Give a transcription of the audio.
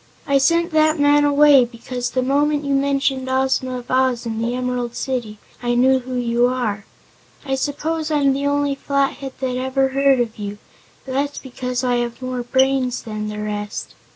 I sent that man away because the moment you mentioned Ozma of Oz, and the Emerald City, I knew who you are. I suppose I'm the only Flathead that ever heard of you, but that's because I have more brains than the rest."